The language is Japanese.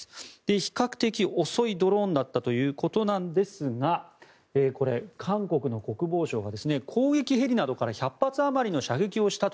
比較的遅いドローンだったということですがこれ、韓国の国防省が攻撃ヘリなどから１００発あまりの射撃をしたと。